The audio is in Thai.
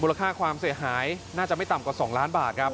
ราคาความเสียหายน่าจะไม่ต่ำกว่า๒ล้านบาทครับ